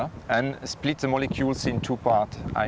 dan membagi molekul menjadi dua bagian